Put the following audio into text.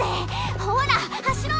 ほら走ろ！